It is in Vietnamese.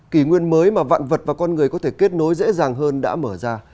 kỷ nguyên mới mà vạn vật và con người có thể kết nối dễ dàng hơn đã mở ra